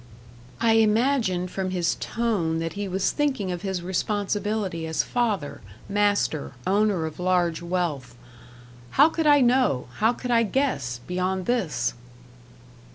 I imagined from his tone that he was thinking of his responsibility as father, master, owner of large wealth. How could I know how could I guess beyond this!